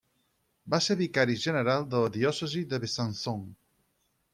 Va ser vicari general de la diòcesi de Besançon.